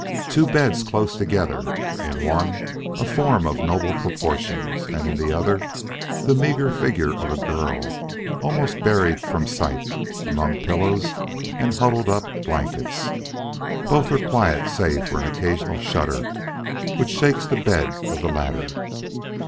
Two beds close together; in one a form of noble proportions, and in the other the meagre figure of a girl almost buried from sight among pillows and huddled up blankets. Both are quiet save for an occasional shudder which shakes the bed of the latter.